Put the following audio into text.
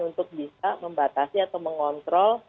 untuk bisa membatasi atau mengontrol